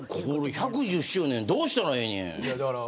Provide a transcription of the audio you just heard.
これ１１０周年どうしたらええねん。